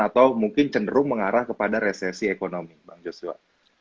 atau mungkin cenderung mengarah kepada resesi ekonomi bang joshua